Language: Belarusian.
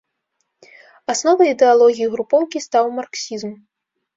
Асновай ідэалогіі групоўкі стаў марксізм.